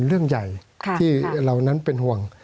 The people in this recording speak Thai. สวัสดีครับทุกคน